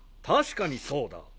確かにそうだ。